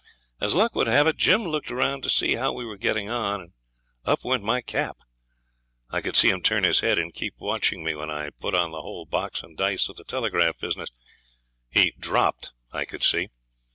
As luck would have it Jim looked round to see how we were getting on, and up went my cap. I could see him turn his head and keep watching me when I put on the whole box and dice of the telegraph business. He 'dropped', I could see.